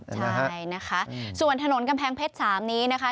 ใช่นะคะส่วนถนนกำแพงเพชร๓นี้นะคะ